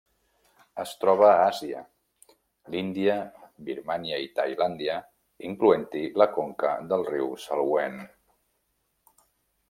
Es troba a Àsia: l'Índia, Birmània i Tailàndia, incloent-hi la conca del riu Salween.